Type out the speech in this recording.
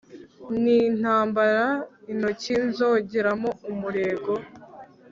nintambara intoki nzongeramo umurego